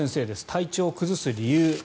体調を崩す理由。